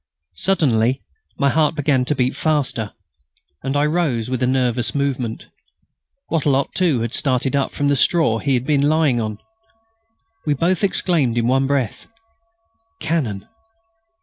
Suddenly my heart began to beat faster, and I rose with a nervous movement. Wattrelot too had started up from the straw he had been lying on. We both exclaimed in one breath: "Cannon!"